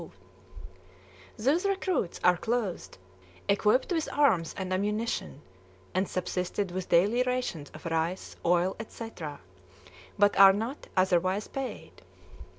These recruits are clothed, equipped with arms and ammunition, and "subsisted" with daily rations of rice, oil, etc., but are not otherwise paid.